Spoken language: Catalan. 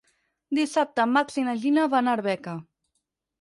Dissabte en Max i na Gina van a Arbeca.